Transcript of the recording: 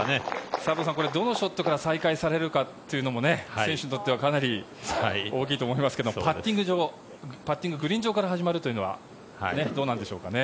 佐藤さん、どのショットから再開されるかというのも選手にとってはかなり大きいと思いますけどパッティング場パッティンググリーン上から始まるのはどうなんでしょうかね。